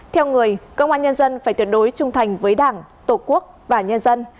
theo người công an nhân dân phải tuyệt đối trung thành với đảng tổ quốc và nhân dân